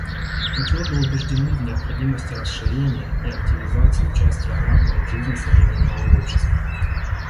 Мы твердо убеждены в необходимости расширения и активизации участия граждан в жизни современного общества.